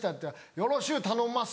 「よろしゅう頼んます」。